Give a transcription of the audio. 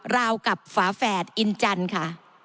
ราวกับฝาแฝดอินจันทร์ค่ะ